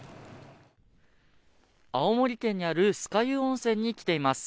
青森県にある酸ヶ湯温泉に来ています。